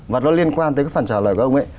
và nó liên quan tới cái phần trả lời của ông ấy